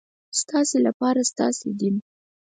ستاسې لپاره ستاسې دین.